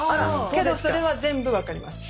けどそれは全部分かります。